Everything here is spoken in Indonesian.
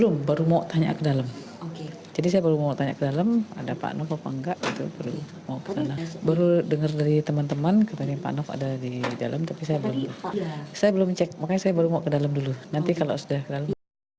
makanya saya baru mau ke dalam dulu nanti kalau sudah ke dalam